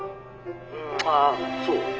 あそう。